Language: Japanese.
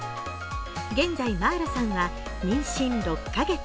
現在、茉愛羅さんは妊娠６カ月。